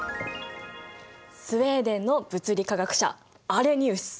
スウェーデンの物理化学者アレニウス。